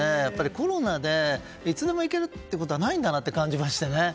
コロナでいつでも行けるってことはないんだなと感じまして。